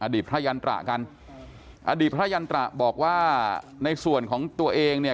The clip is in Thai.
พระยันตระกันอดีตพระยันตระบอกว่าในส่วนของตัวเองเนี่ย